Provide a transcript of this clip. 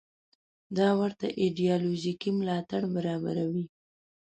دا ورته ایدیالوژیکي ملاتړ برابروي.